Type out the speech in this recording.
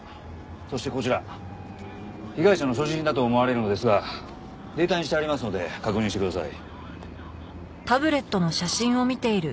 そしてこちら被害者の所持品だと思われるのですがデータにしてありますので確認してください。